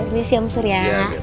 ini si om surya